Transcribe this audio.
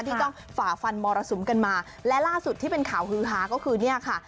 ที่ต้องฝ่าฟันมรสุมกันมาและล่าสุดที่เป็นข่าวฮือฮาก็คือเนี่ยค่ะ